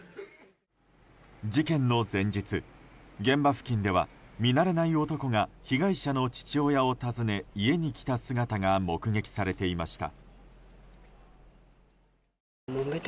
事件の前日、現場付近では見慣れない男が被害者の父親を訪ね家に来た姿が目撃されていました。